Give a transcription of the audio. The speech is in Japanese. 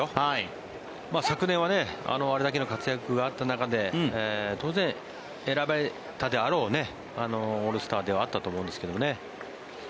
昨年はあれだけの活躍があった中で当然、選ばれたであろうオールスターではあったと思うんですけどね。